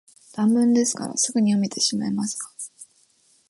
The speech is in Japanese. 短文ですから、すぐに読めてしまいますが、